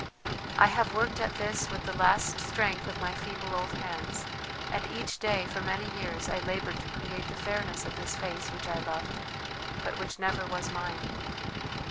"I have worked at this with the last strength of my feeble old hands. And each day for many years I laboured to create the fairness of this face which I loved, but which never was mine!